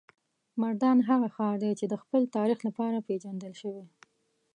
مردان هغه ښار دی چې د خپل تاریخ لپاره پیژندل شوی.